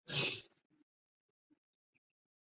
是俄罗斯唯一一艘航空母舰。